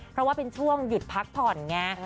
เพราะว่าเป็นช่วงหยุดพักผ่อนไง